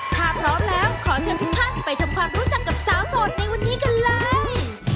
ถ้าพร้อมแล้วขอเชิญทุกท่านไปทำความรู้จักกับสาวโสดในวันนี้กันเลย